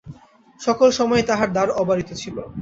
সকল সময়েই তাঁহার দ্বার অবারিত ছিল।